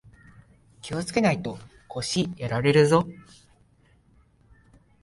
気をつけないと腰やられるぞ